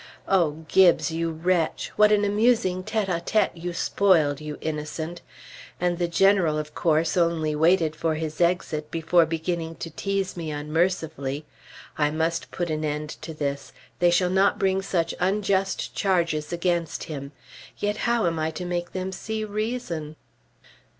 O Gibbes! you wretch! what an amusing tête à tête you spoiled, you innocent! And the General, of course, only waited for his exit before beginning to tease me unmercifully. I must put an end to this; they shall not bring such unjust charges against him. Yet how am I to make them see reason?